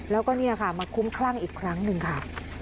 แล้วก็เนี่ยค่ะมาคุ้มคลั่งอีกครั้งหนึ่งค่ะ